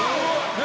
何？